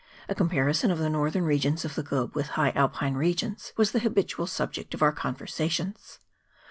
A comparison of the northern regions of the globe with high Alpine regions was the habitual subject of our conversations.